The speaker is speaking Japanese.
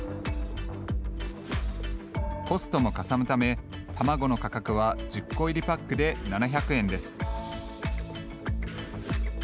コストもかさむため卵の価格は１０個入りパックで７００円です。